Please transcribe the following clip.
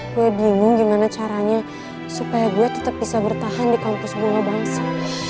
gue bingung gimana caranya supaya dia tetap bisa bertahan di kampus bunga bangsa